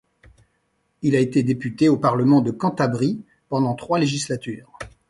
Il a été député au Parlement de Cantabrie pendant trois législatures.